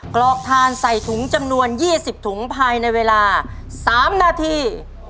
กรอกทานใส่ถุงจำนวน๒๐ถุงภายในเวลา๓นาที